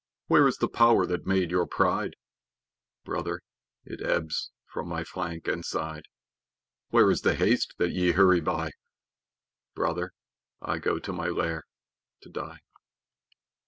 Where is the power that made your pride? Brother, it ebbs from my flank and side. Where is the haste that ye hurry by? Brother, I go to my lair to die.